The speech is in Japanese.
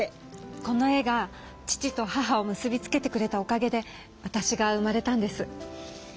この絵が父と母を結び付けてくれたおかげでわたしが生まれたんです。